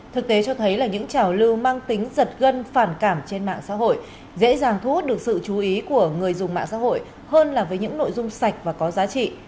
thực tế cho thấy là những trào lưu mang tính giật gân phản cảm trên mạng xã hội dễ dàng thu hút được sự chú ý của người dùng mạng xã hội hơn là với những nội dung sạch và có giá trị